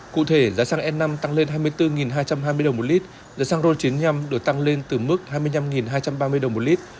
cụ thể giá xăng e năm tăng lên hai mươi bốn hai trăm hai mươi đồng một lít giá xăng ron chín mươi năm được tăng lên từ mức hai mươi năm hai trăm ba mươi đồng một lít